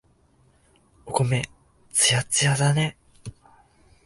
お米、つやっつやだね。